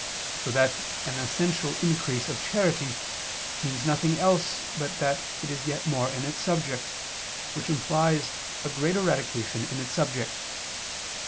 So that an essential increase of charity means nothing else but that it is yet more in its subject, which implies a greater radication in its subject.